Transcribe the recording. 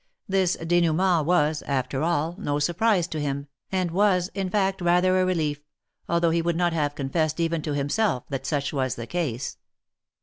This denouement was, after all, no surprise to him, and was, in fact, rather a relief, although he would not have confessed even to himself that such was the case.